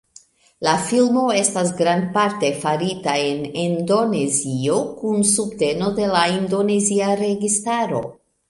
La filmo estas grandparte farita en Indonezio, kun subteno de la indonezia registaro.